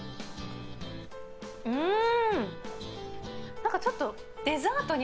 うん！